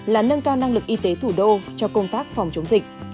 là nâng cao năng lực y tế thủ đô cho công tác phòng chống dịch